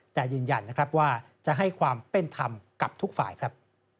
แต่ยืนยันนะครับว่าจะให้ความเป็นธรรมกับทุกฝ่ายครับ